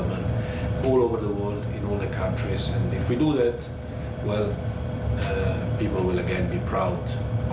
แบบนี้ไม่ใช่ชีวิตของเรา